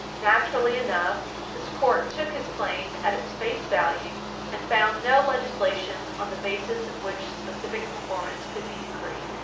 Naturally enough, this Court took his claim at its face value and found no legislation on the basis of which specific performance could be decreed.